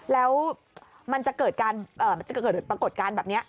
แล้วมันจะเกิดปรากฏการณ์แบบนี้